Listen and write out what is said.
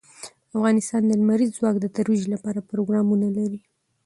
افغانستان د لمریز ځواک د ترویج لپاره پروګرامونه لري.